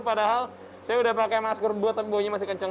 padahal saya sudah pakai maskor buatan tapi baunya masih kenceng